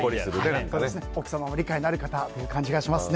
奥様も理解のある方という感じがしますね。